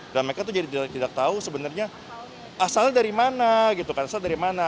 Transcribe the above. dan mereka jadi tidak tahu sebenarnya asalnya dari mana